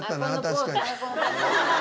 確かに。